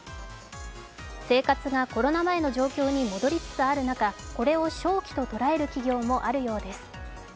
生活がコロナ前の状況に戻りつつある中、これを商機と捉える企業もあるようです。